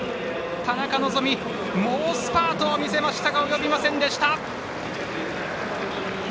田中希実猛スパートを見せましたが及びませんでした。